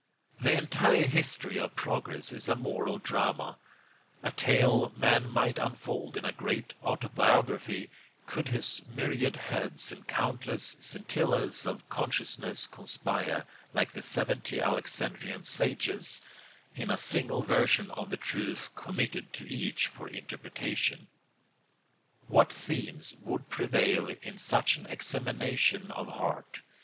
The entire history of progress is a moral drama, a tale man might unfold in a great autobiography, could his myriad heads and countless scintillas of consciousness conspire, like the seventy Alexandrian sages, in a single version of the truth committed to each for interpretation. What themes would prevail in such an examination of heart?